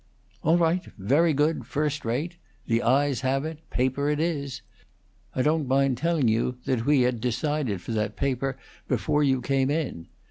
"All right; very good; first rate. The ayes have it. Paper it is. I don't mind telling you that we had decided for that paper before you came in.